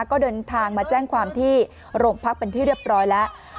ก็เดินทางมาแจ้งความที่โรงพักเป็นที่เรียบร้อยแล้ว